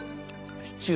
シチュー